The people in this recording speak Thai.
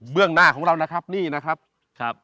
เบื้องหน้าของเรานะครับนี่นะครับครับ